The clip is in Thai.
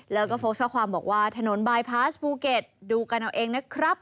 แล้วก็โพสต์ข้อความบอกว่าถนนบายพาสภูเก็ตดูกันเอาเองนะครับ